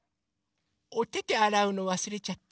おててあらうのわすれちゃった。